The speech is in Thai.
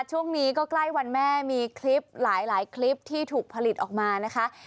ช่วงนี้ก็ใกล้วันแม่มีคลิปหลายคลิปที่ถูกผลิตออกมานะคะ